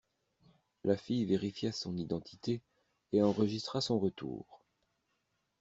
La fille vérifia son identité et enregistra son retour.